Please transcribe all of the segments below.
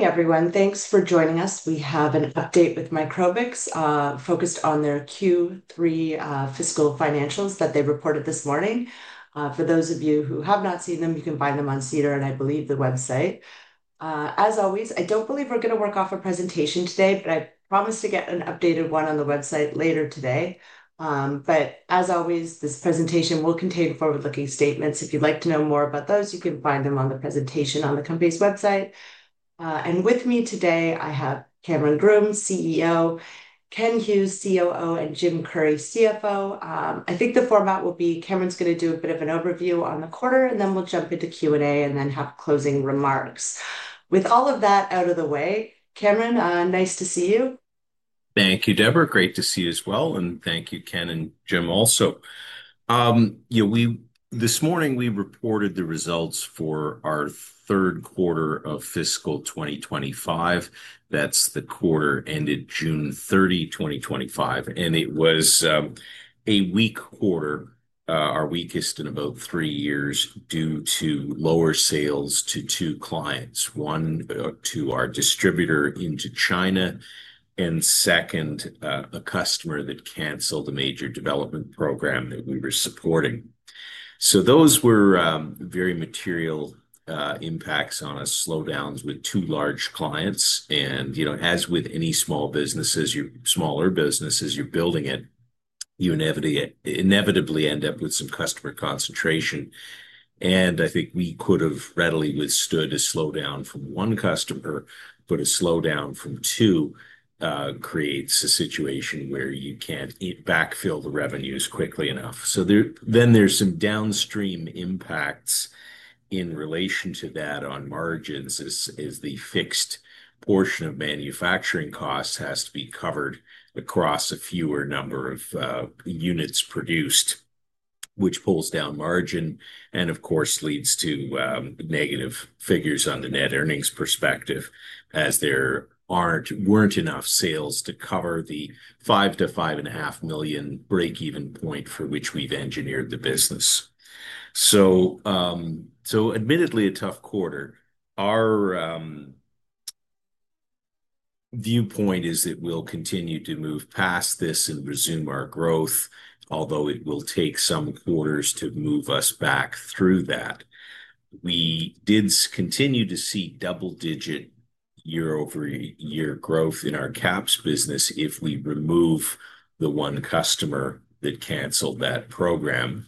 Thanks, everyone. Thanks for joining us. We have an update with Microbix., focused on their Q3 fiscal financials that they reported this morning. For those of you who have not seen them, you can find them on SEDAR, and I believe the website. As always, I don't believe we're going to work off a presentation today, but I promise to get an updated one on the website later today. As always, this presentation will contain forward-looking statements. If you'd like to know more about those, you can find them on the presentation on the company's website. With me today, I have Cameron Groome, CEO, Ken Hughes, COO, and Jim Currie, CFO. I think the format will be Cameron's going to do a bit of an overview on the quarter, then we'll jump into Q&A and then have closing remarks. With all of that out of the way, Cameron, nice to see you. Thank you, Deborah. Great to see you as well. Thank you, Ken and Jim also. This morning, we reported the results for our third quarter of fiscal 2025. That's the quarter ended June 30, 2025. It was a weak quarter, our weakest in about three years due to lower sales to two clients: one, to our distributor into China, and second, a customer that canceled a major development program that we were supporting. Those were very material impacts on us, slowdowns with two large clients. As with any small businesses, you're building it. You inevitably end up with some customer concentration. I think we could have readily withstood a slowdown from one customer, but a slowdown from two creates a situation where you can't backfill the revenues quickly enough. There are some downstream impacts in relation to that on margins as the fixed portion of manufacturing costs has to be covered across a fewer number of units produced, which pulls down margin and, of course, leads to negative figures on the net earnings perspective as there aren't, weren't enough sales to cover the $5 million-$5.5 million break-even point for which we've engineered the business. Admittedly a tough quarter. Our viewpoint is that we'll continue to move past this and resume our growth, although it will take some quarters to move us back through that. We did continue to see double-digit year-over-year growth in our QAPs business if we remove the one customer that canceled that program.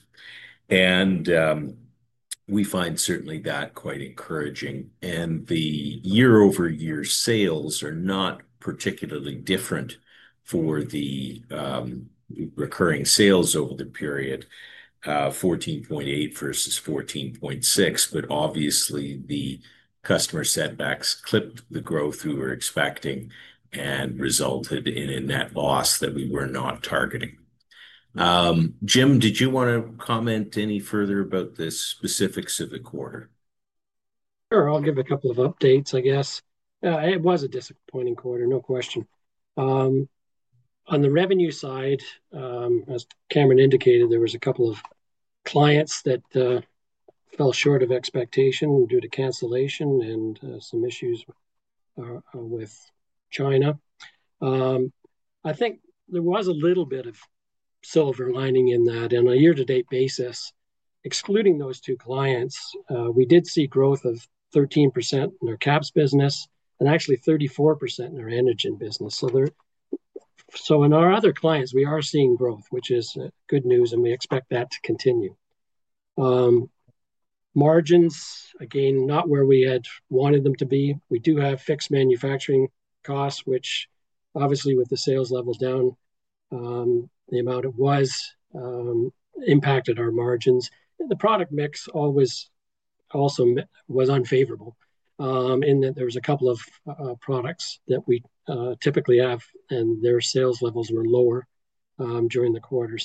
We find certainly that quite encouraging. The year-over-year sales are not particularly different for the recurring sales over the period, $14.8 million versus $14.6 million. Obviously, the customer setbacks clipped the growth we were expecting and resulted in a net loss that we were not targeting. Jim, did you want to comment any further about the specifics of the quarter? Sure. I'll give a couple of updates, I guess. It was a disappointing quarter, no question. On the revenue side, as Cameron indicated, there were a couple of clients that fell short of expectation due to cancellation and some issues with China. I think there was a little bit of silver lining in that. On a year-to-date basis, excluding those two clients, we did see growth of 13% in our QAPs business and actually 34% in our antigen business. In our other clients, we are seeing growth, which is good news, and we expect that to continue. Margins, again, not where we had wanted them to be. We do have fixed manufacturing costs, which obviously, with the sales level down the amount it was, impacted our margins. The product mix also was unfavorable, in that there were a couple of products that we typically have, and their sales levels were lower during the quarter.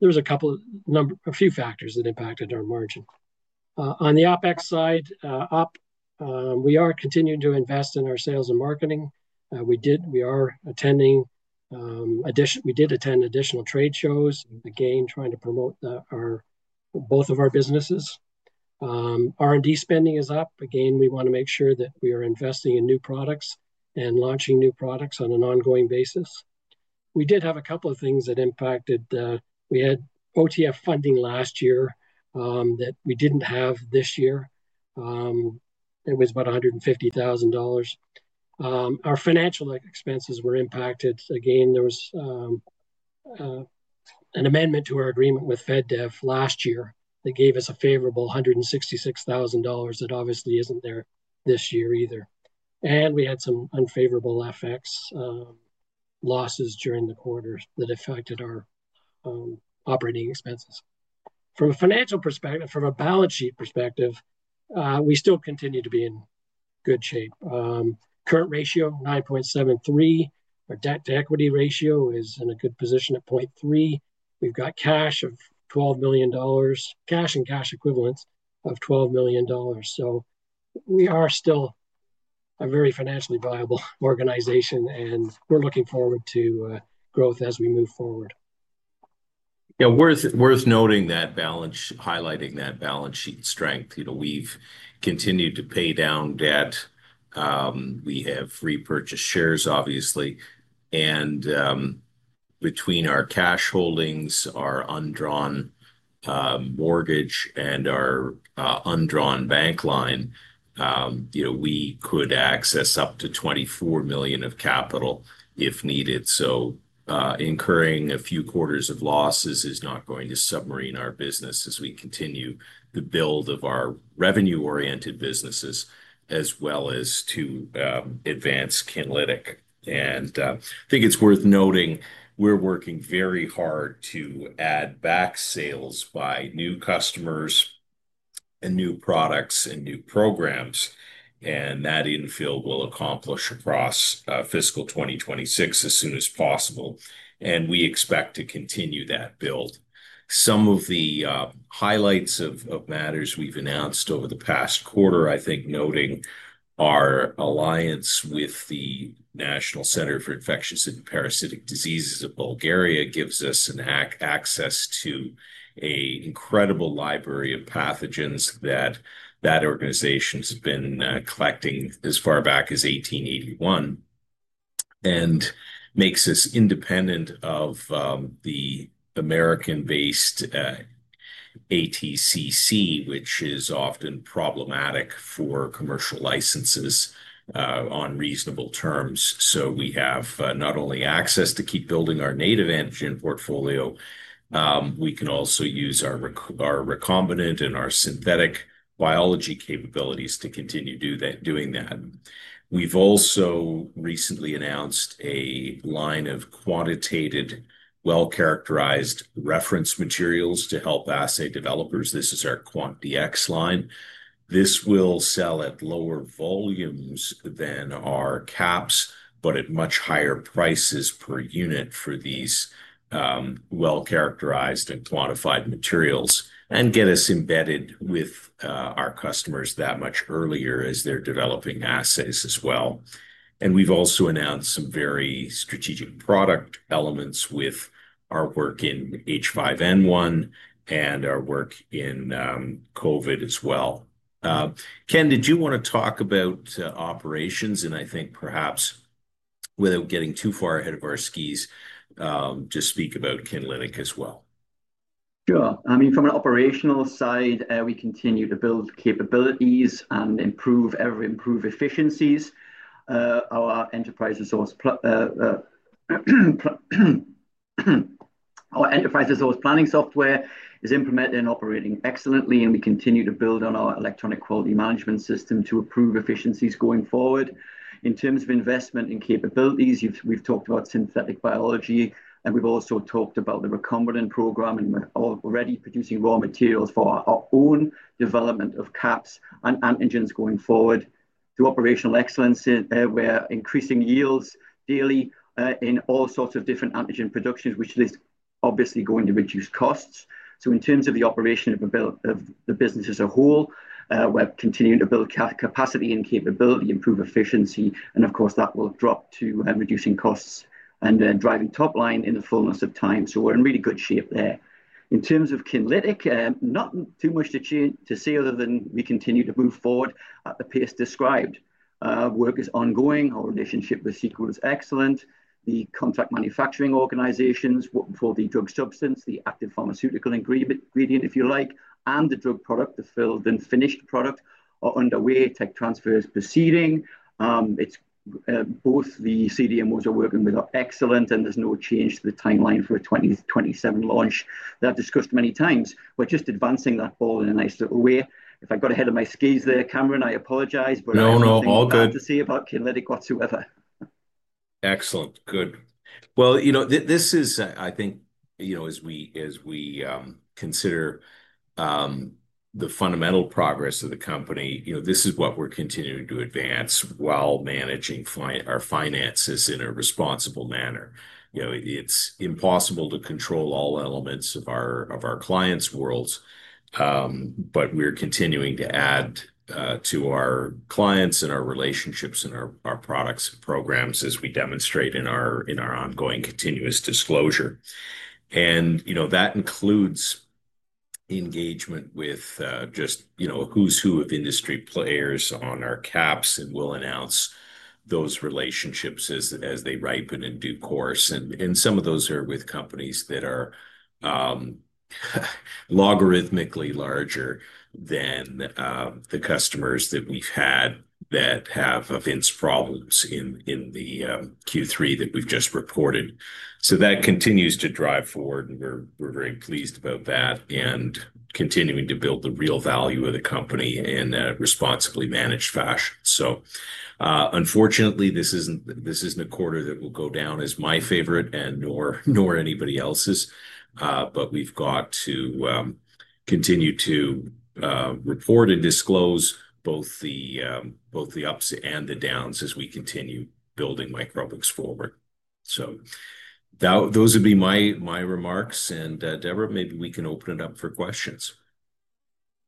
There were a few factors that impacted our margin. On the OpEx side, we are continuing to invest in our sales and marketing. We did attend additional trade shows, again, trying to promote both of our businesses. R&D spending is up. Again, we want to make sure that we are investing in new products and launching new products on an ongoing basis. We did have a couple of things that impacted, we had OTF funding last year that we didn't have this year. It was about $150,000. Our financial expenses were impacted. There was an amendment to our agreement with FedDev last year that gave us a favorable $166,000 that obviously isn't there this year either. We had some unfavorable FX losses during the quarter that affected our operating expenses. From a financial perspective, from a balance sheet perspective, we still continue to be in good shape. Current ratio, 9.73. Our debt-to-equity ratio is in a good position at 0.3. We've got cash of $12 million, cash and cash equivalents of $12 million. We are still a very financially viable organization, and we're looking forward to growth as we move forward. Yeah, worth noting that balance, highlighting that balance sheet strength. You know, we've continued to pay down debt. We have repurchased shares, obviously. Between our cash holdings, our undrawn mortgage, and our undrawn bank line, you know, we could access up to $24 million of capital if needed. Incurring a few quarters of losses is not going to submarine our business as we continue the build of our revenue-oriented businesses, as well as to advance Kinlytic. I think it's worth noting we're working very hard to add back sales by new customers and new products and new programs. That infield will accomplish across fiscal 2026 as soon as possible. We expect to continue that build. Some of the highlights of matters we've announced over the past quarter, I think noting our alliance with the National Center for Infectious and Parasitic Diseases of Bulgaria gives us access to an incredible library of pathogens that that organization's been collecting as far back as 1881 and makes us independent of the American-based ATCC, which is often problematic for commercial licenses on reasonable terms. We have not only access to keep building our native antigen portfolio, we can also use our recombinant and our synthetic biology capabilities to continue doing that. We've also recently announced a line of quantitated, well-characterized reference materials to help assay developers. This is our QUANTDx line. This will sell at lower volumes than our QAPs, but at much higher prices per unit for these well-characterized and quantified materials and get us embedded with our customers that much earlier as they're developing assays as well. We've also announced some very strategic product elements with our work in H5N1 and our work in COVID as well. Ken, did you want to talk about operations? I think perhaps, without getting too far ahead of our skis, just speak about Kinlytic as well. Sure. I mean, from an operational side, we continue to build capabilities and improve, ever improve efficiencies. Our enterprise resource planning software is implemented and operating excellently, and we continue to build on our electronic quality management system to improve efficiencies going forward. In terms of investment in capabilities, we've talked about synthetic biology, and we've also talked about the recombinant program, and we're already producing raw materials for our own development of QAPs and antigens going forward. Through operational excellence, we're increasing yields daily in all sorts of different antigen productions, which is obviously going to reduce costs. In terms of the operation of the business as a whole, we're continuing to build capacity and capability, improve efficiency, and of course, that will drop to reducing costs and driving top line in the fullness of time. We're in really good shape there. In terms of Kinlytic, not too much to say other than we continue to move forward at the pace described. Work is ongoing. Our relationship with Sequel is excellent. The contract manufacturing organizations for the drug substance, the active pharmaceutical ingredient, if you like, and the drug product, the filled and finished product, are underway. Tech transfer is proceeding. Both the CDMOs are working with excellence, and there's no change to the timeline for a 2027 launch. That I've discussed many times, just advancing that ball in a nice little way. If I got ahead of my skis there, Cameron, I apologize, but I don't have much to say about Kinlytic whatsoever. Excellent. Good. This is, I think, as we consider the fundamental progress of the company, this is what we're continuing to advance while managing our finances in a responsible manner. It's impossible to control all elements of our clients' world, but we're continuing to add to our clients and our relationships and our products and programs as we demonstrate in our ongoing continuous disclosure. That includes engagement with just a who's who of industry players on our QAPs, and we'll announce those relationships as they ripen in due course. Some of those are with companies that are logarithmically larger than the customers that we've had that have evinced problems in the Q3 that we've just reported. That continues to drive forward, and we're very pleased about that and continuing to build the real value of the company in a responsibly managed fashion. Unfortunately, this isn't a quarter that will go down as my favorite nor anybody else's, but we've got to continue to report and disclose both the ups and the downs as we continue building Microbix forward. Those would be my remarks. Deborah, maybe we can open it up for questions.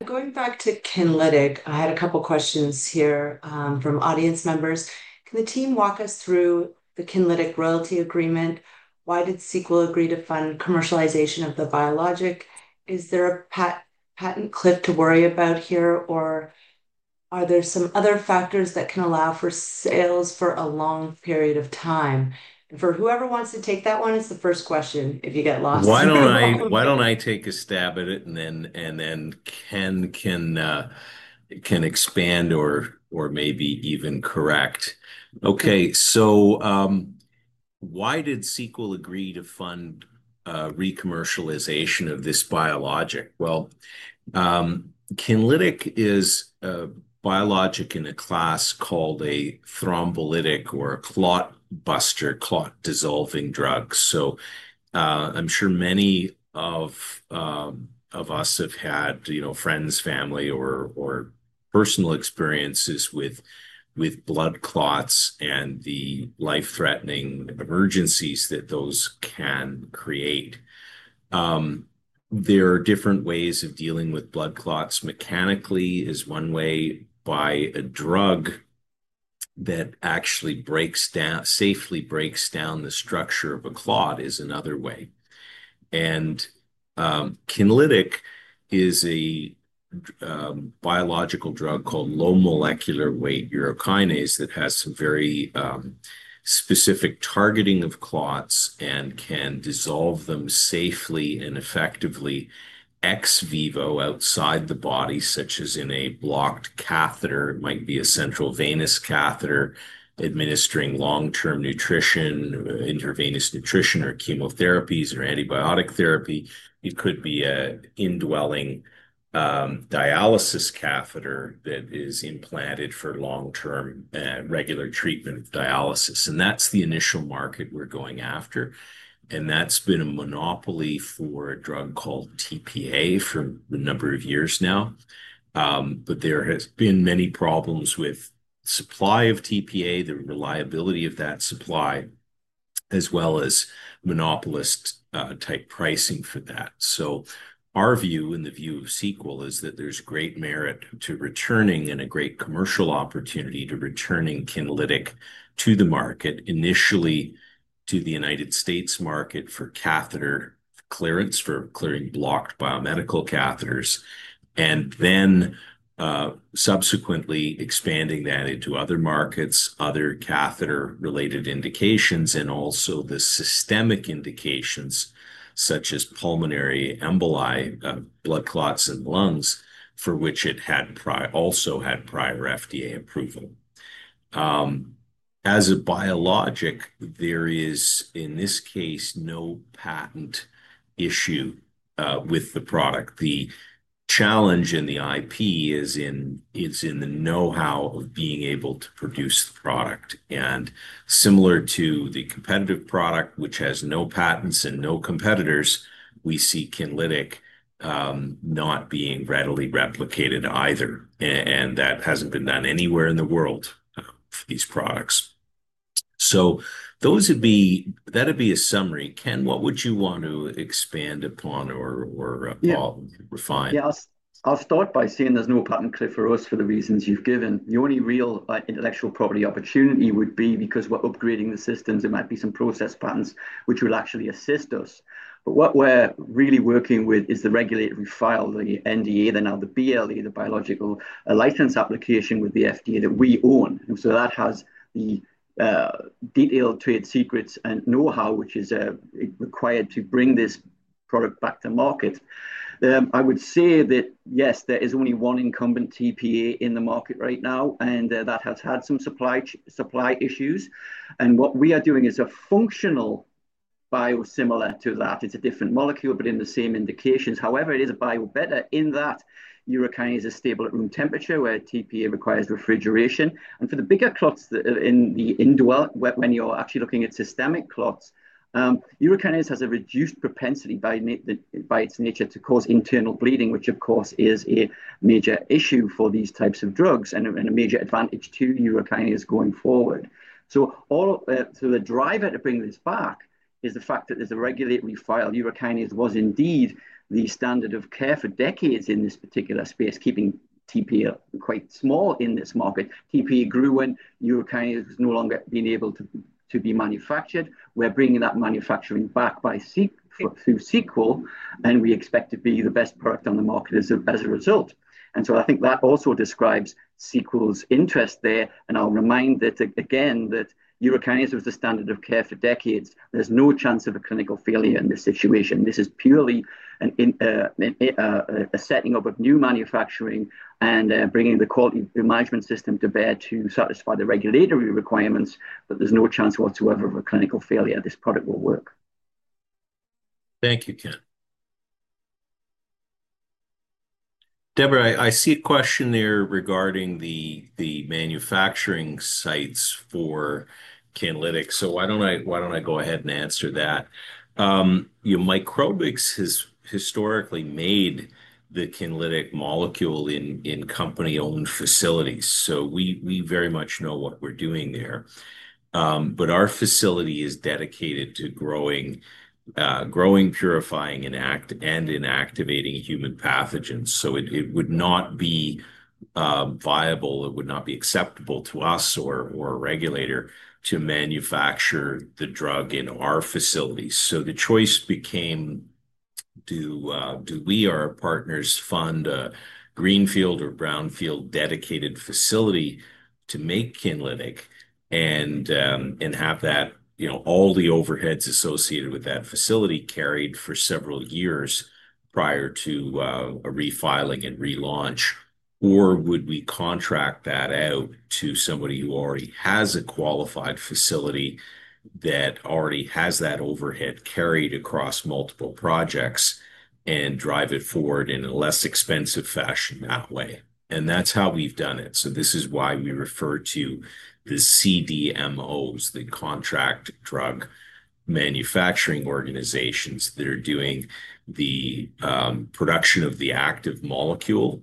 Going back to Kinlytic, I had a couple of questions here from audience members. Can the team walk us through the Kinlytic royalty agreement? Why did Sequel agree to fund commercialization of the biologic? Is there a patent cliff to worry about here, or are there some other factors that can allow for sales for a long period of time? For whoever wants to take that one, it's the first question if you get lost. Why don't I take a stab at it and then Ken can expand or maybe even correct. Okay. So, why did Sequel agree to fund recommercialization of this biologic? Kinlytic is a biologic in a class called a thrombolytic or a clot buster, clot dissolving drug. I'm sure many of us have had friends, family, or personal experiences with blood clots and the life-threatening emergencies that those can create. There are different ways of dealing with blood clots. Mechanically is one way. By a drug that actually breaks down, safely breaks down the structure of a clot is another way. Kinlytic is a biological drug called low molecular weight urokinase that has some very specific targeting of clots and can dissolve them safely and effectively ex vivo, outside the body, such as in a blocked catheter. It might be a central venous catheter administering long-term nutrition, intravenous nutrition, or chemotherapies, or antibiotic therapy. It could be an indwelling dialysis catheter that is implanted for long-term regular treatment of dialysis. That's the initial market we're going after. That's been a monopoly for a drug called tPA for a number of years now. There have been many problems with the supply of tPA, the reliability of that supply, as well as monopolist-type pricing for that. Our view and the view of Sequel is that there's great merit to returning and a great commercial opportunity to returning Kinlytic to the market, initially to the United States market for catheter clearance, for clearing blocked biomedical catheters, and then subsequently expanding that into other markets, other catheter-related indications, and also the systemic indications such as pulmonary emboli, blood clots in lungs, for which it had also had prior FDA approval. As a biologic, there is, in this case, no patent issue with the product. The challenge in the IP is in the know-how of being able to produce the product. Similar to the competitive product, which has no patents and no competitors, we see Kinlytic not being readily replicated either. That hasn't been done anywhere in the world for these products. That would be a summary. Ken, what would you want to expand upon or refine? Yeah, I'll start by saying there's no patent cliff for us for the reasons you've given. The only real intellectual property opportunity would be because we're upgrading the systems. There might be some process patents which will actually assist us. What we're really working with is the regulatory file, the NDA, then now the BLA, the biological license application with the FDA that we own. That has the detailed trade secrets and know-how, which is required to bring this product back to market. I would say that, yes, there is only one incumbent tPA in the market right now, and that has had some supply issues. What we are doing is a functional biosimilar to that. It's a different molecule, but in the same indications. However, it is a bio-better in that urokinase is stable at room temperature, where tPA requires refrigeration. For the bigger clots in the indwelling, when you're actually looking at systemic clots, urokinase has a reduced propensity by its nature to cause internal bleeding, which, of course, is a major issue for these types of drugs and a major advantage to urokinase going forward. The driver to bring this back is the fact that there's a regulatory file. Urokinase was indeed the standard of care for decades in this particular space, keeping tPA quite small in this market. tPA grew when urokinase was no longer being able to be manufactured. We're bringing that manufacturing back through Sequel, and we expect to be the best product on the market as a result. I think that also describes Sequel's interest there. I'll remind that, again, that urokinase was the standard of care for decades. There's no chance of a clinical failure in this situation. This is purely a setting up of new manufacturing and bringing the quality management system to bear to satisfy the regulatory requirements, but there's no chance whatsoever of a clinical failure. This product will work. Thank you, Ken. Deborah, I see a question there regarding the manufacturing sites for Kinlytic. Why don't I go ahead and answer that? Microbix has historically made the Kinlytic molecule in company-owned facilities. We very much know what we're doing there. Our facility is dedicated to growing, purifying, and inactivating human pathogens. It would not be viable. It would not be acceptable to us or a regulator to manufacture the drug in our facility. The choice became, do we or our partners fund a greenfield or brownfield dedicated facility to make Kinlytic and have all the overheads associated with that facility carried for several years prior to a refiling and relaunch, or would we contract that out to somebody who already has a qualified facility that already has that overhead carried across multiple projects and drive it forward in a less expensive fashion that way? That's how we've done it. This is why we refer to the CDMOs, the Contract Drug Manufacturing Organizations that are doing the production of the active molecule,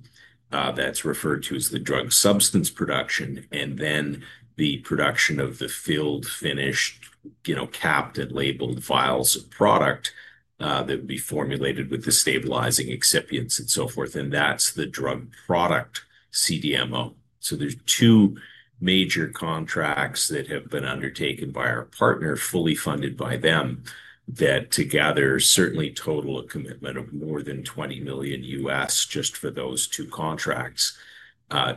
that's referred to as the drug substance production, and then the production of the filled, finished, capped and labeled vials of product, that would be formulated with the stabilizing excipients and so forth. That's the drug product CDMO. There are two major contracts that have been undertaken by our partner, fully funded by them, that together certainly total a commitment of more than $20 million just for those two contracts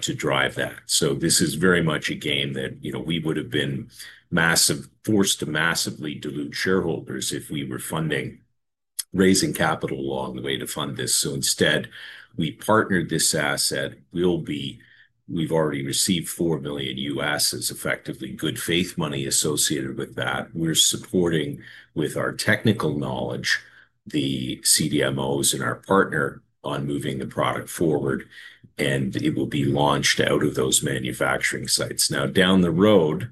to drive that. This is very much a game that we would have been forced to massively dilute shareholders if we were raising capital along the way to fund this. Instead, we partnered this asset. We've already received $4 million as effectively good faith money associated with that. We're supporting with our technical knowledge, the CDMOs and our partner on moving the product forward. It will be launched out of those manufacturing sites. Down the road,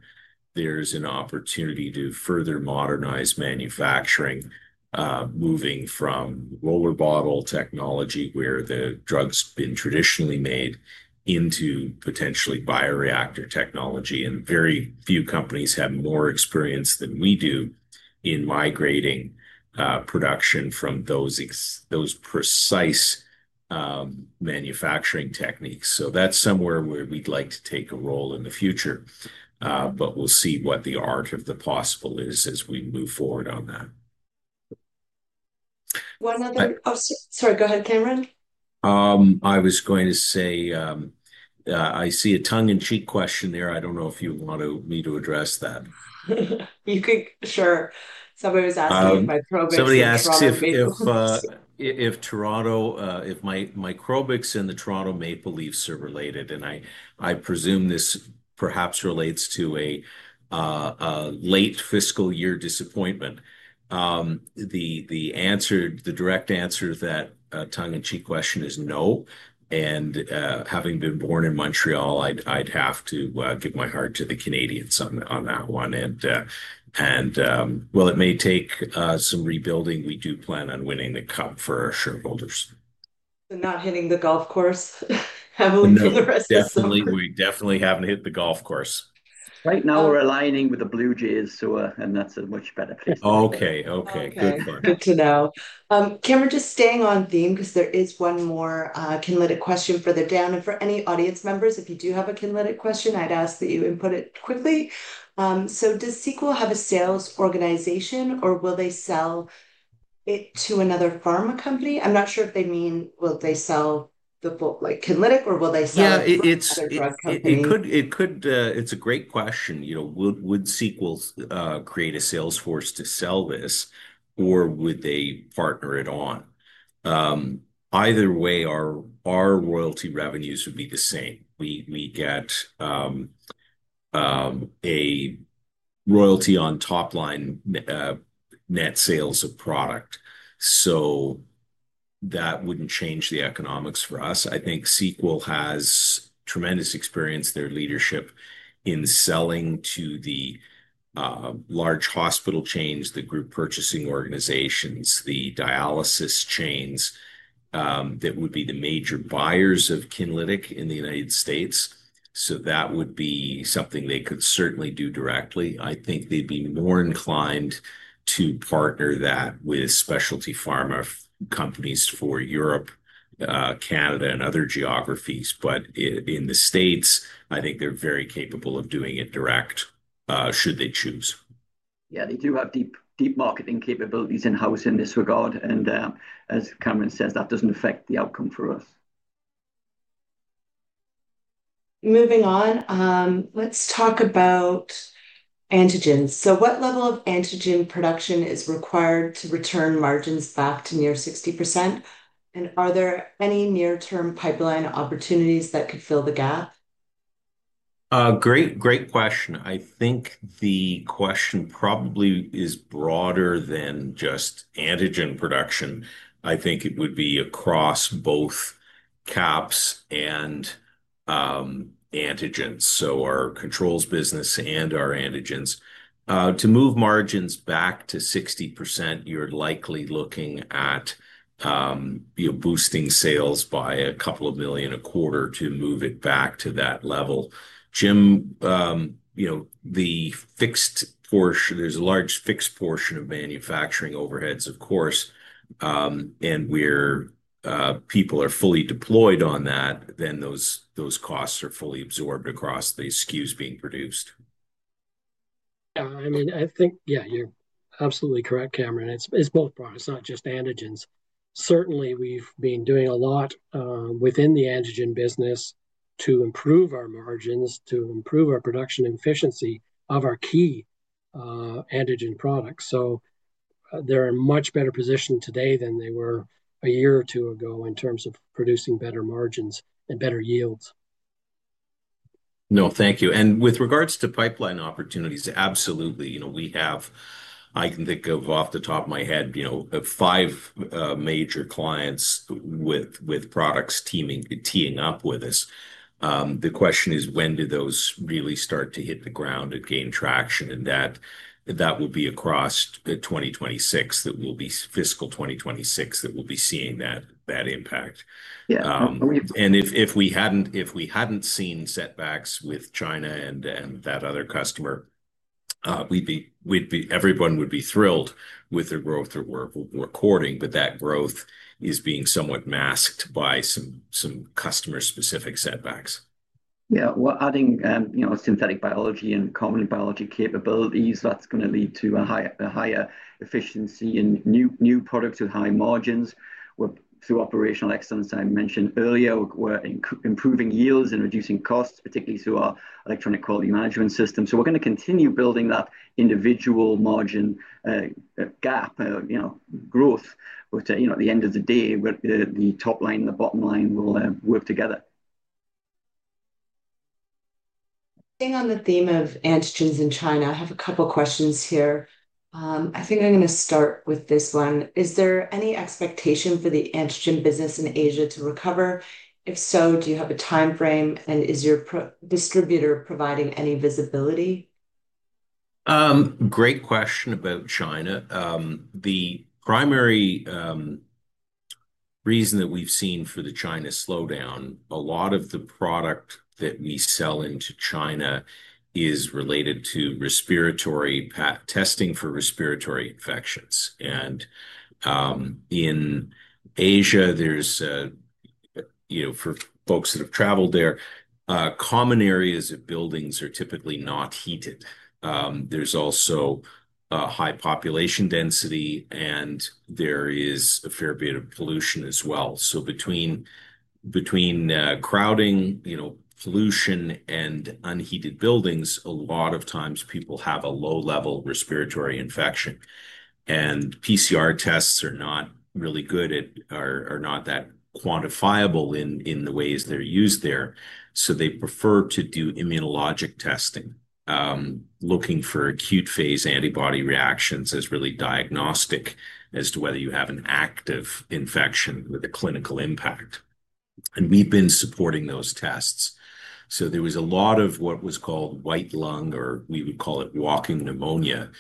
there's an opportunity to further modernize manufacturing, moving from roller bottle technology, where the drug's been traditionally made, into potentially bioreactor technology. Very few companies have more experience than we do in migrating production from those precise manufacturing techniques. That's somewhere where we'd like to take a role in the future, but we'll see what the art of the possible is as we move forward on that. One other question. Sorry, go ahead, Cameron. I see a tongue-in-cheek question there. I don't know if you want me to address that. You think? Sure. Somebody was asking if Microbix is related. Somebody asked if Toronto, if Microbix and the Toronto Maple Leafs are related. I presume this perhaps relates to a late fiscal year disappointment. The answer, the direct answer to that tongue-in-cheek question is no. Having been born in Montreal, I'd have to give my heart to the Canadiens on that one. It may take some rebuilding. We do plan on winning the cup for our shareholders. Not hitting the golf course heavily for the rest of the summer. Definitely. We definitely haven't hit the golf course. Right now, we're aligning with the Blue Jays, so that's a much better fit. Okay. Good. Good to know. Cameron, just staying on theme because there is one more Kinlytic question further down. For any audience members, if you do have a Kinlytic question, I'd ask that you input it quickly. Does Sequel have a sales organization, or will they sell it to another pharma company? I'm not sure if they mean, will they sell the book like Kinlytic or will they sell it to a third-party company? Yeah, it's a great question. You know, would Sequel create a sales force to sell this, or would they partner it on? Either way, our royalty revenues would be the same. We get a royalty on top line net sales of product. That wouldn't change the economics for us. I think Sequel has tremendous experience, their leadership in selling to the large hospital chains, the group purchasing organizations, the dialysis chains that would be the major buyers of Kinlytic in the United States. That would be something they could certainly do directly. I think they'd be more inclined to partner that with specialty pharma companies for Europe, Canada, and other geographies. In the States, I think they're very capable of doing it direct, should they choose. They do have deep marketing capabilities in-house in this regard. As Cameron says, that doesn't affect the outcome for us. Moving on, let's talk about antigens. What level of antigen production is required to return margins back to near 60%? Are there any near-term pipeline opportunities that could fill the gap? Great, great question. I think the question probably is broader than just antigen production. I think it would be across both QAPs and antigens, so our controls business and our antigens. To move margins back to 60%, you're likely looking at boosting sales by a couple of million a quarter to move it back to that level. Jim, you know, the fixed portion, there's a large fixed portion of manufacturing overheads, of course. Where people are fully deployed on that, then those costs are fully absorbed across the SKUs being produced. I think you're absolutely correct, Cameron. It's both products. It's not just antigens. Certainly, we've been doing a lot within the antigen business to improve our margins, to improve our production efficiency of our key antigen products. They're in a much better position today than they were a year or two ago in terms of producing better margins and better yields. No, thank you. With regards to pipeline opportunities, absolutely. We have, I can think of off the top of my head, five major clients with products teeing up with us. The question is, when do those really start to hit the ground and gain traction? That will be across 2026. It will be fiscal 2026 that we'll be seeing that impact. If we hadn't seen setbacks with China and that other customer, everyone would be thrilled with the growth that we're courting, but that growth is being somewhat masked by some customer-specific setbacks. Yeah, we're adding synthetic biology and commonly biologic capabilities. That's going to lead to a higher efficiency in new products with high margins. Through operational excellence, I mentioned earlier, we're improving yields and reducing costs, particularly through our electronic quality management system. We are going to continue building that individual margin gap, you know, growth. At the end of the day, the top line and the bottom line will work together. Staying on the theme of antigens in China, I have a couple of questions here. I think I'm going to start with this one. Is there any expectation for the antigen business in Asia to recover? If so, do you have a timeframe? Is your distributor providing any visibility? Great question about China. The primary reason that we've seen for the China slowdown, a lot of the product that we sell into China is related to respiratory testing for respiratory infections. In Asia, for folks that have traveled there, common areas of buildings are typically not heated. There's also a high population density, and there is a fair bit of pollution as well. Between crowding, pollution, and unheated buildings, a lot of times people have a low-level respiratory infection. PCR tests are not really good at, are not that quantifiable in the ways they're used there. They prefer to do immunologic testing, looking for acute phase antibody reactions as really diagnostic as to whether you have an active infection with a clinical impact. We've been supporting those tests. There was a lot of what was called white lung, or we would call it walking pneumonia,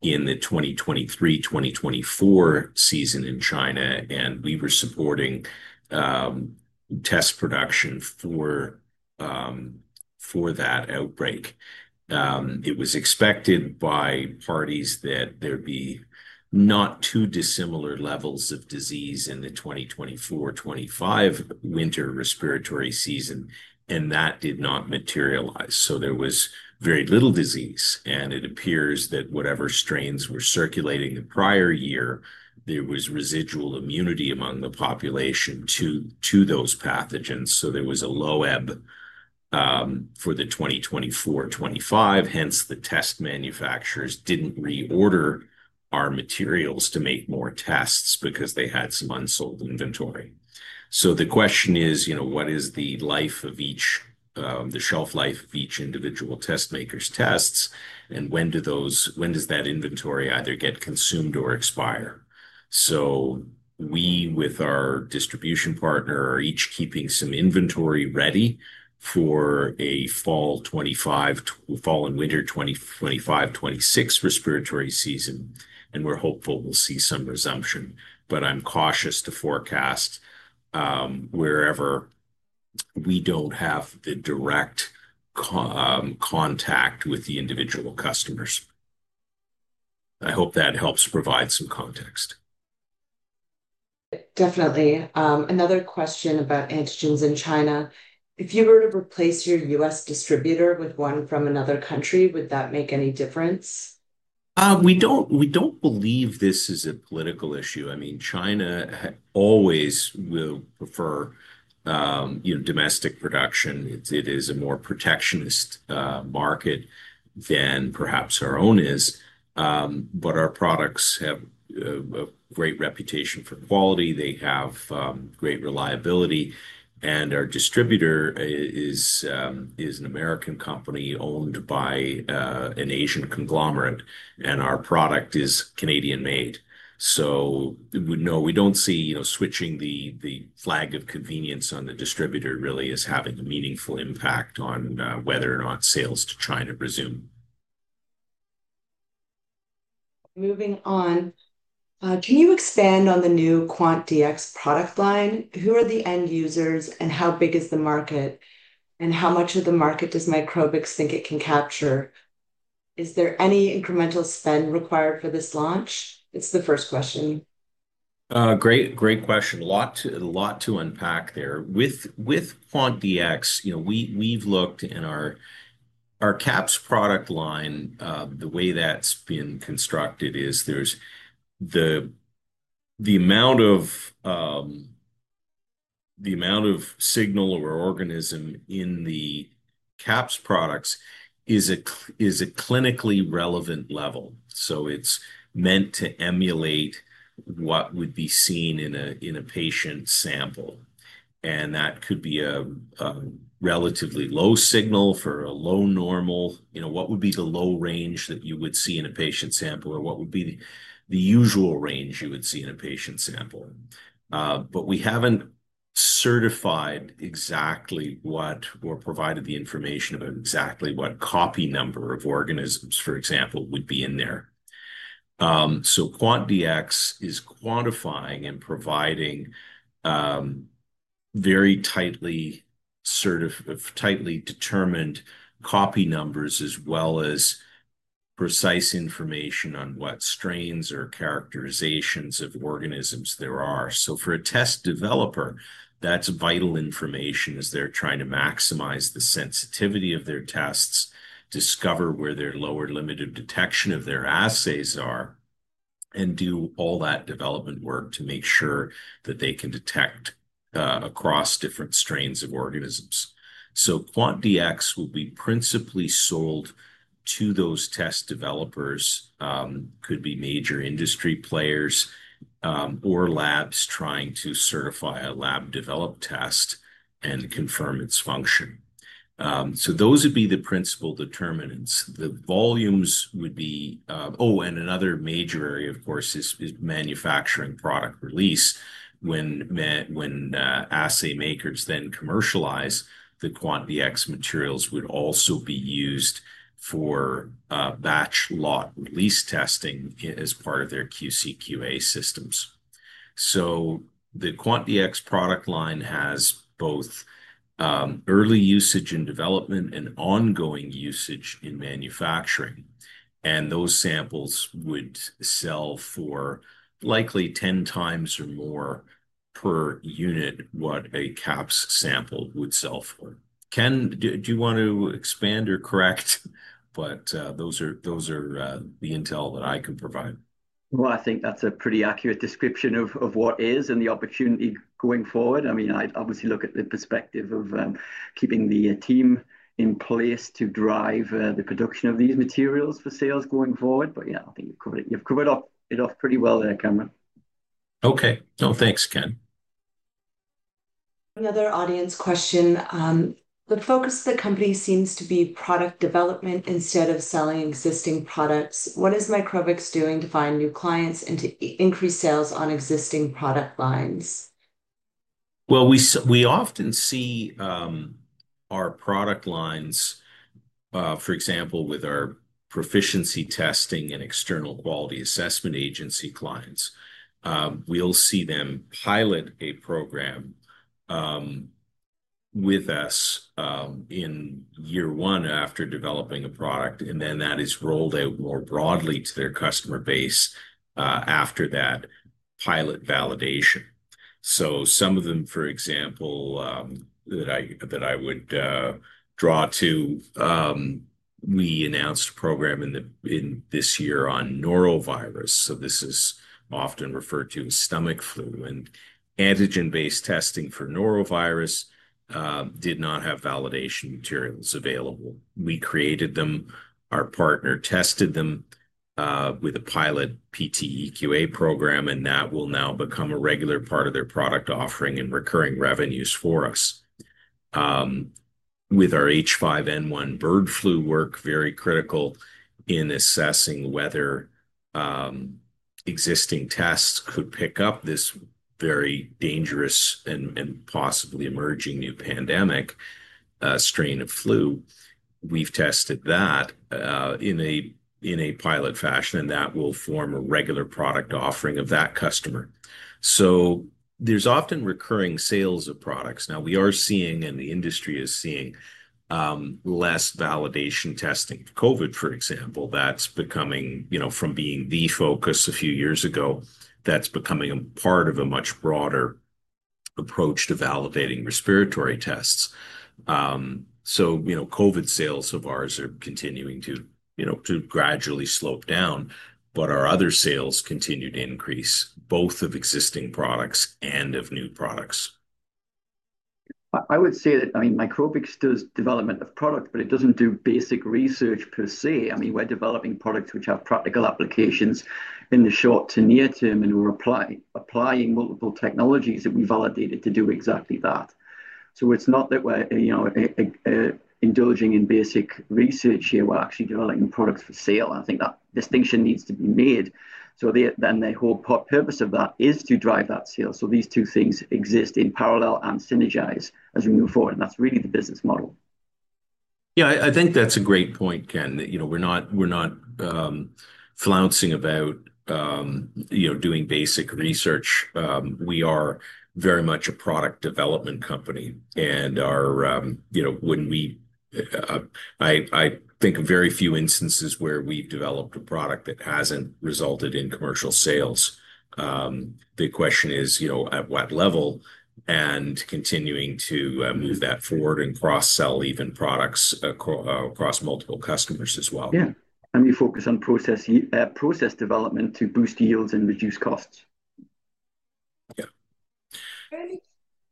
in the 2023-2024 season in China. We were supporting test production for that outbreak. It was expected by parties that there would be not too dissimilar levels of disease in the 2024-2025 winter respiratory season. That did not materialize. There was very little disease. It appears that whatever strains were circulating the prior year, there was residual immunity among the population to those pathogens. There was a low EB for the 2024-2025. Hence, the test manufacturers didn't reorder our materials to make more tests because they had some unsold inventory. The question is, what is the life of each, the shelf life of each individual test maker's tests? When does that inventory either get consumed or expire? We, with our distribution partner, are each keeping some inventory ready for a fall and winter 2025-2026 respiratory season. We're hopeful we'll see some resumption. I'm cautious to forecast wherever we don't have the direct contact with the individual customers. I hope that helps provide some context. Definitely. Another question about antigens in China. If you were to replace your U.S. distributor with one from another country, would that make any difference? We don't believe this is a political issue. I mean, China always will prefer domestic production. It is a more protectionist market than perhaps our own is. Our products have a great reputation for quality. They have great reliability. Our distributor is an American company owned by an Asian conglomerate. Our product is Canadian-made. We don't see switching the flag of convenience on the distributor really as having a meaningful impact on whether or not sales to China resume. Moving on, can you expand on the new QUANTDx product line? Who are the end users and how big is the market? How much of the market does Microbix think it can capture? Is there any incremental spend required for this launch? It's the first question. Great, great question. A lot to unpack there. With QUANTDx, you know, we've looked in our QAPs product line. The way that's been constructed is the amount of signal or organism in the QAPs products is a clinically relevant level. It's meant to emulate what would be seen in a patient sample. That could be a relatively low signal for a low normal. You know, what would be the low range that you would see in a patient sample? What would be the usual range you would see in a patient sample? We haven't certified exactly what or provided the information about exactly what copy number of organisms, for example, would be in there. QUANTDx is quantifying and providing very tightly determined copy numbers as well as precise information on what strains or characterizations of organisms there are. For a test developer, that's vital information as they're trying to maximize the sensitivity of their tests, discover where their lower limit of detection of their assays are, and do all that development work to make sure that they can detect across different strains of organisms. QUANTDx will be principally sold to those test developers. It could be major industry players or labs trying to certify a lab-developed test and confirm its function. Those would be the principal determinants. The volumes would be, oh, and another major area, of course, is manufacturing product release. When assay makers then commercialize, the QUANTDx materials would also be used for batch lot release testing as part of their QC/QA systems. The QUANTDx product line has both early usage in development and ongoing usage in manufacturing. Those samples would sell for likely 10x or more per unit what a QAPs sample would sell for. Ken, do you want to expand or correct? Those are the intel that I can provide. I think that's a pretty accurate description of what is and the opportunity going forward. I mean, I'd obviously look at the perspective of keeping the team in place to drive the production of these materials for sales going forward. I think you've covered it off pretty well there, Cameron. Okay. Thanks, Ken. Another audience question. The focus of the company seems to be product development instead of selling existing products. What is Microbix doing to find new clients and to increase sales on existing product lines? We often see our product lines, for example, with our proficiency testing and external quality assessment agency clients. We'll see them pilot a program with us in year one after developing a product, and then that is rolled out more broadly to their customer base after that pilot validation. Some of them, for example, that I would draw to, we announced a program in this year on norovirus. This is often referred to as stomach flu, and antigen-based testing for norovirus did not have validation materials available. We created them. Our partner tested them with a pilot PT/EQA program, and that will now become a regular part of their product offering and recurring revenues for us. With our H5N1 bird flu work, very critical in assessing whether existing tests could pick up this very dangerous and possibly emerging new pandemic strain of flu, we've tested that in a pilot fashion, and that will form a regular product offering of that customer. There's often recurring sales of products. Now, we are seeing, and the industry is seeing, less validation testing. COVID, for example, that's becoming, you know, from being the focus a few years ago, that's becoming a part of a much broader approach to validating respiratory tests. COVID sales of ours are continuing to, you know, to gradually slow down, but our other sales continue to increase, both of existing products and of new products. I would say that Microbix does development of product, but it doesn't do basic research per se. We're developing products which have practical applications in the short to near term, and we're applying multiple technologies that we validated to do exactly that. It's not that we're indulging in basic research here. We're actually developing products for sale. I think that distinction needs to be made. The whole purpose of that is to drive that sale. These two things exist in parallel and synergize as we move forward. That's really the business model. Yeah, I think that's a great point, Ken. We're not flouncing about doing basic research. We are very much a product development company. When we, I think of very few instances where we've developed a product that hasn't resulted in commercial sales. The question is at what level and continuing to move that forward and cross-sell even products across multiple customers as well. Yeah, we focus on process development to boost yields and reduce costs. Are there any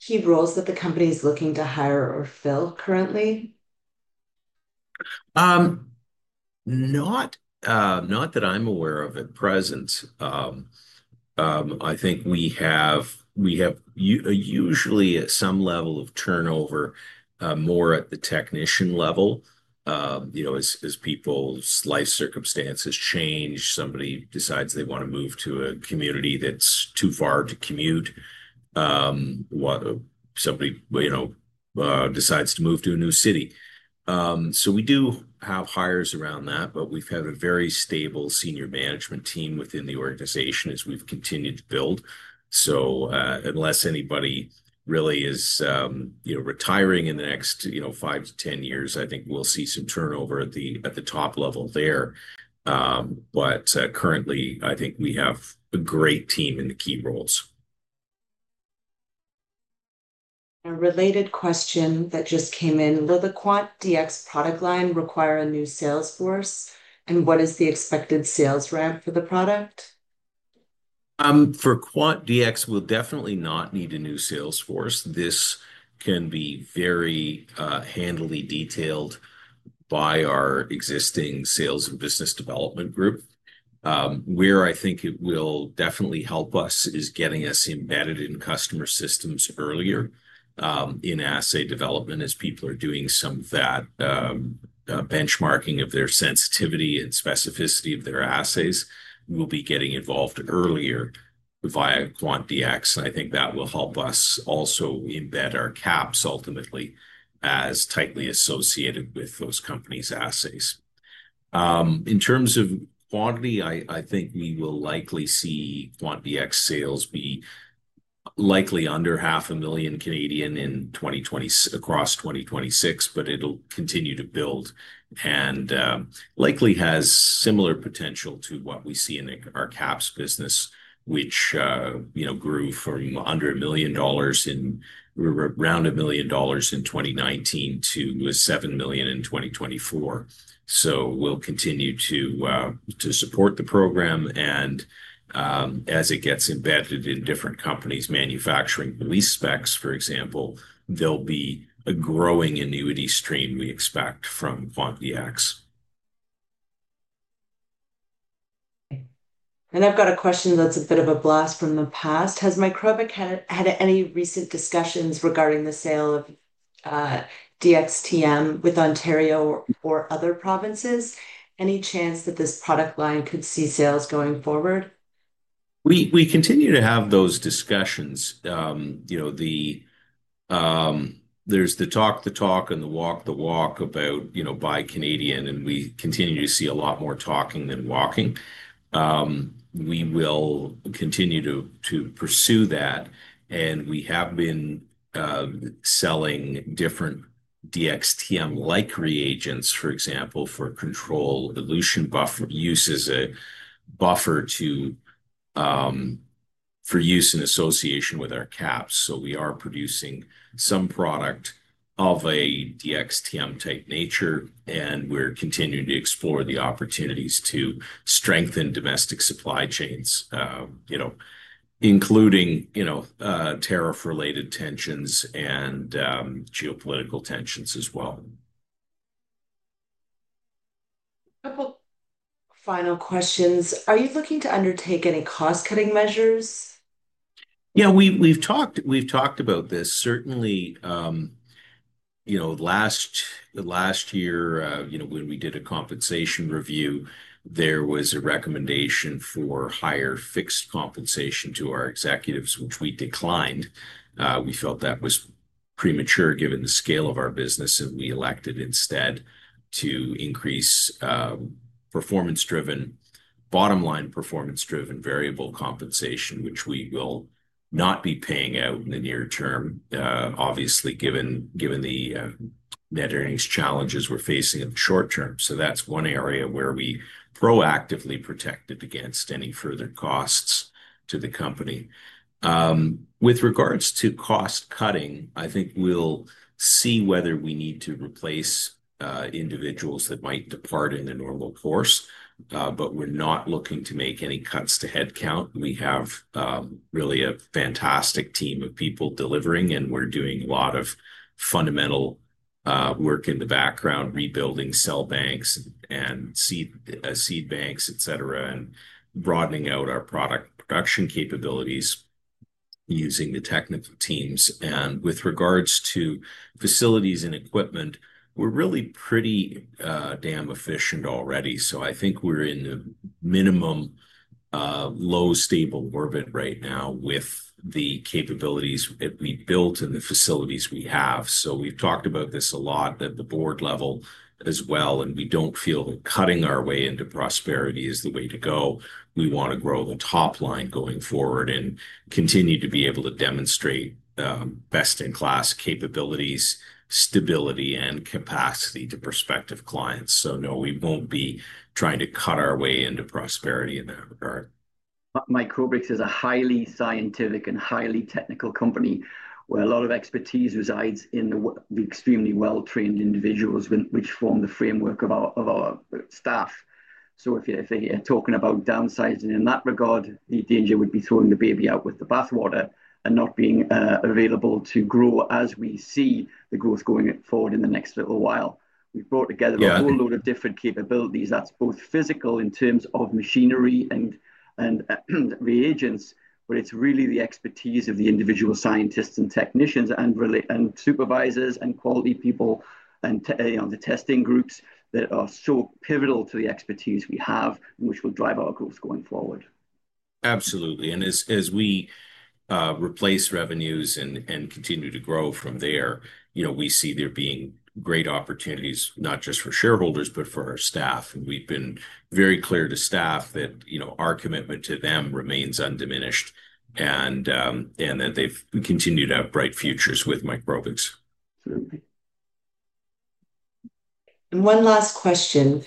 key roles that the company is looking to hire or fill currently? Not that I'm aware of at present. I think we have usually at some level of turnover, more at the technician level. As people's life circumstances change, somebody decides they want to move to a community that's too far to commute. If somebody decides to move to a new city, we do have hires around that, but we've had a very stable Senior Management team within the organization as we've continued to build. Unless anybody really is retiring in the next 5-10 years, I think we'll see some turnover at the top level there. Currently, I think we have a great team in the key roles. A related question that just came in. Will the QUANTDx product line require a new sales force? What is the expected sales rep for the product? For QUANTDx, we'll definitely not need a new sales force. This can be very handily detailed by our existing sales and business development group. Where I think it will definitely help us is getting us embedded in customer systems earlier in assay development as people are doing some of that benchmarking of their sensitivity and specificity of their assays. We'll be getting involved earlier via QUANTDx. I think that will help us also embed our QAPs ultimately as tightly associated with those companies' assays. In terms of quantity, I think we will likely see QUANTDx sales be likely under 500,000 across 2026, but it'll continue to build and likely has similar potential to what we see in our QAPs business, which, you know, grew from under $1 million in 2019 to $7 million in 2024. We'll continue to support the program. As it gets embedded in different companies' manufacturing release specs, for example, there'll be a growing annuity stream we expect from QUANTDx. I've got a question that's a bit of a blast from the past. Has Microbix had any recent discussions regarding the sale of DxTM with Ontario or other provinces? Any chance that this product line could see sales going forward? We continue to have those discussions. You know, there's the talk, the talk, and the walk, the walk about, you know, buy Canadian, and we continue to see a lot more talking than walking. We will continue to pursue that. We have been selling different DxTM-like reagents, for example, for control solution buffer use as a buffer for use in association with our QAPs. We are producing some product of a DxTM-type nature, and we're continuing to explore the opportunities to strengthen domestic supply chains, including tariff-related tensions and geopolitical tensions as well. A couple of final questions. Are you looking to undertake any cost-cutting measures? Yeah, we've talked about this. Certainly, last year, when we did a compensation review, there was a recommendation for higher fixed compensation to our executives, which we declined. We felt that was premature given the scale of our business, and we elected instead to increase performance-driven, bottom-line performance-driven variable compensation, which we will not be paying out in the near term, obviously, given the net earnings challenges we're facing in the short term. That's one area where we proactively protected against any further costs to the company. With regards to cost cutting, I think we'll see whether we need to replace individuals that might depart in a normal course, but we're not looking to make any cuts to headcount. We have really a fantastic team of people delivering, and we're doing a lot of fundamental work in the background, rebuilding cell banks and seed banks, etc., and broadening out our product production capabilities using the technical teams. With regards to facilities and equipment, we're really pretty damn efficient already. I think we're in the minimum low stable orbit right now with the capabilities that we built and the facilities we have. We've talked about this a lot at the board level as well, and we don't feel that cutting our way into prosperity is the way to go. We want to grow the top line going forward and continue to be able to demonstrate best-in-class capabilities, stability, and capacity to prospective clients. No, we won't be trying to cut our way into prosperity in that regard. Microbix is a highly scientific and highly technical company where a lot of expertise resides in the extremely well-trained individuals which form the framework of our staff. If you're talking about downsizing in that regard, the danger would be throwing the baby out with the bathwater and not being available to grow as we see the growth going forward in the next little while. We've brought together a whole load of different capabilities. That's both physical in terms of machinery and reagents, but it's really the expertise of the individual scientists and technicians and supervisors and quality people and the testing groups that are so pivotal to the expertise we have and which will drive our growth going forward. Absolutely. As we replace revenues and continue to grow from there, you know, we see there being great opportunities, not just for shareholders, but for our staff. We have been very clear to staff that, you know, our commitment to them remains undiminished and that they continue to have bright futures with Microbix. One last question.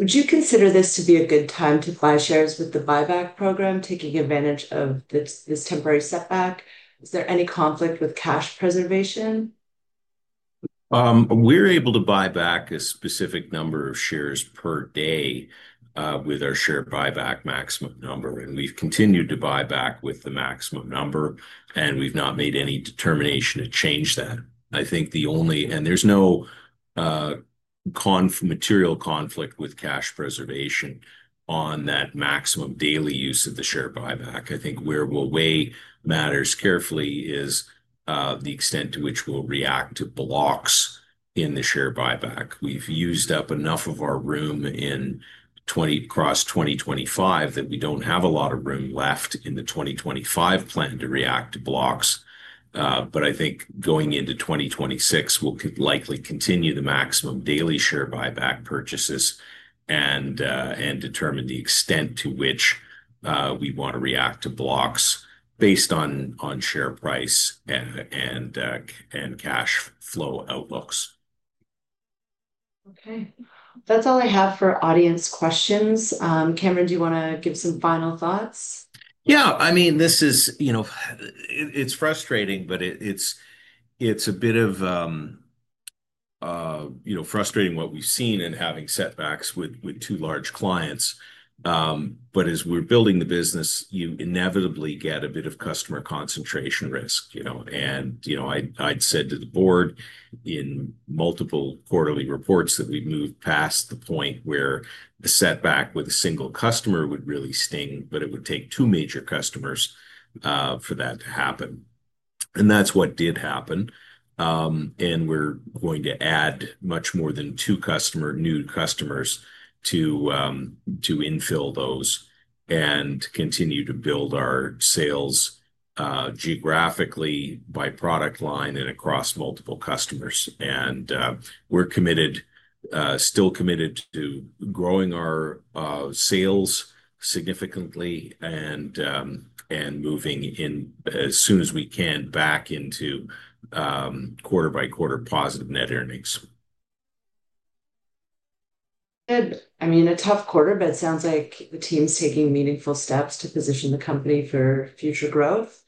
Would you consider this to be a good time to buy shares with the buyback program, taking advantage of this temporary setback? Is there any conflict with cash preservation? We're able to buy back a specific number of shares per day with our share buyback maximum number. We've continued to buy back with the maximum number, and we've not made any determination to change that. There is no material conflict with cash preservation on that maximum daily use of the share buyback. Where we'll weigh matters carefully is the extent to which we'll react to blocks in the share buyback. We've used up enough of our room across 2025 that we don't have a lot of room left in the 2025 plan to react to blocks. Going into 2026, we'll likely continue the maximum daily share buyback purchases and determine the extent to which we want to react to blocks based on share price and cash flow outlooks. Okay. That's all I have for audience questions. Cameron, do you want to give some final thoughts? Yeah, I mean, this is, you know, it's frustrating, but it's a bit of, you know, frustrating what we've seen in having setbacks with two large clients. As we're building the business, you inevitably get a bit of customer concentration risk. I'd said to the board in multiple quarterly reports that we've moved past the point where the setback with a single customer would really sting, but it would take two major customers for that to happen. That's what did happen. We're going to add much more than two new customers to infill those and continue to build our sales geographically by product line and across multiple customers. We're still committed to growing our sales significantly and moving in as soon as we can back into quarter by quarter positive net earnings. A tough quarter, but it sounds like the team's taking meaningful steps to position the company for future growth.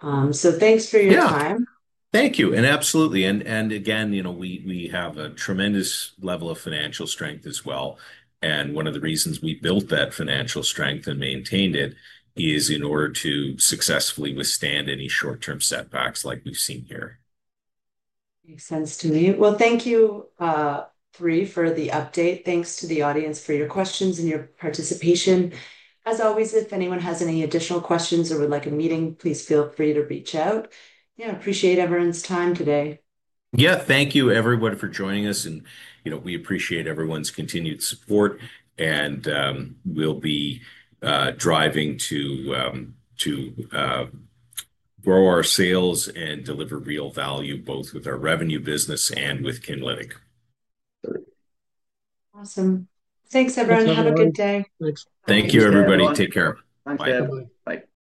Thanks for your time. Thank you. Absolutely. We have a tremendous level of financial strength as well. One of the reasons we built that financial strength and maintained it is in order to successfully withstand any short-term setbacks like we've seen here. Makes sense to me. Thank you three for the update. Thanks to the audience for your questions and your participation. As always, if anyone has any additional questions or would like a meeting, please feel free to reach out. I appreciate everyone's time today. Thank you, everyone, for joining us. We appreciate everyone's continued support. We'll be driving to grow our sales and deliver real value both with our revenue business and with Kinlytic. Awesome. Thanks, everyone. Have a good day. Thank you, everybody. Take care. Bye.